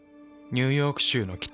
ニューヨーク州の北。